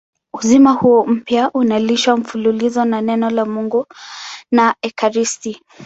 Uzima huo mpya unalishwa mfululizo na Neno la Mungu na ekaristi.